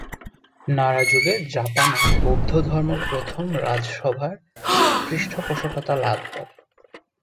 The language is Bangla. নারা যুগে জাপানে বৌদ্ধধর্ম প্রথম রাজসভার পৃষ্ঠপোষকতা লাভ করে।